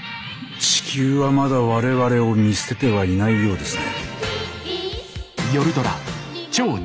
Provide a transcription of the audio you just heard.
地球はまだ我々を見捨ててはいないようですね。